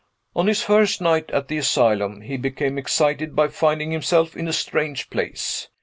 On his first night at the asylum, he became excited by finding himself in a strange place.